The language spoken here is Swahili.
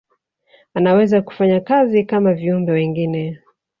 anaweza kufanya kazi kama viumbe wengine